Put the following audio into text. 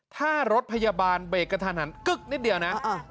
ถ้ารถพยาบาลเบรกกระทันหันกึ๊กนิดเดียวนะ